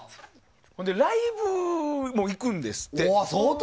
ライブも行くんですって。